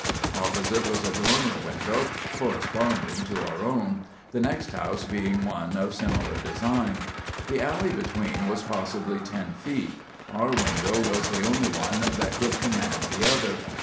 Opposite was a dormer window corresponding to our own, the next house being one of similar design. The alley between was possibly ten feet. Our window was the only one that could command the other.